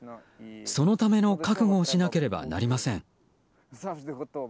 そのための覚悟をしなければなりません。